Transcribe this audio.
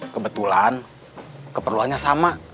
kebetulan keperluannya sama